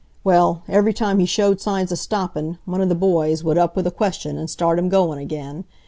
Well, every time he showed signs of stoppin', one of the boys would up with a question, and start him goin' again.